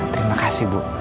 terima kasih bu